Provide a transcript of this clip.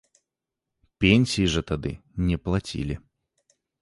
Пенсій жа тады не плацілі.